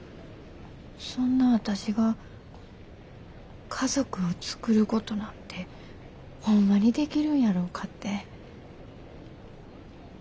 そんな私が家族を作ることなんてホンマにできるんやろうかって。